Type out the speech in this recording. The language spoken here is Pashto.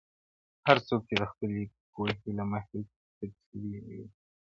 هر څوک يې د خپلې پوهې له مخې تفسيروي,